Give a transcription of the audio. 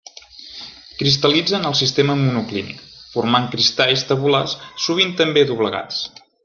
Cristal·litza en el sistema monoclínic, formant cristalls tabulars, sovint també doblegats.